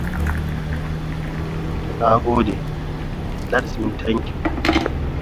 For an inline package, cells are selected and stacked with solder in between them.